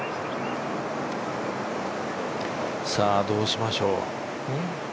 どうしましょう。